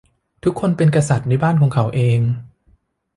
ทุกคนเป็นกษัตริย์ในบ้านของเขาเอง